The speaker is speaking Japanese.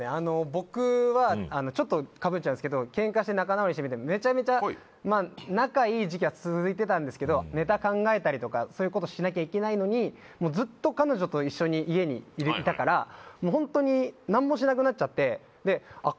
僕はちょっとかぶっちゃうんすけどケンカして仲直りしてめちゃめちゃ仲いい時期は続いてたんですけどネタ考えたりとかそういうことしなきゃいけないのにもうずっと彼女と一緒に家にいたからもうホントに何もしなくなっちゃってあっ